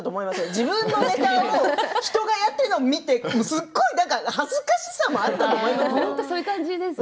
自分のネタを人がやっているのを見てすごい恥ずかしさもあったと思いますよ。